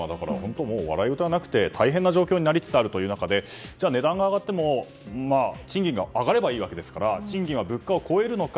笑い事ではなくて大変な状況になりつつあるという中で値段が上がっても、賃金が上がればいいわけですから賃金は物価を超えるのか。